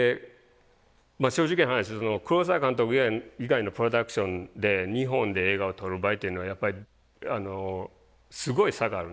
まあ正直な話黒澤監督以外のプロダクションで日本で映画を撮る場合っていうのはやっぱりすごい差があるんですね。